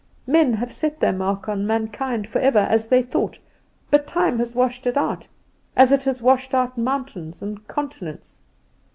Men have set their mark on mankind forever, as they thought; but time has washed it out as it has washed out mountains and continents."